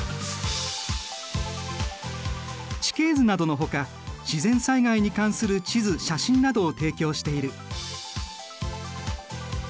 地形図などのほか自然災害に関する地図写真などを提供している。